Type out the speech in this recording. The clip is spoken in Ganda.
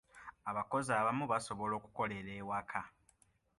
Abakozi abamu basobola okukolera ewaka.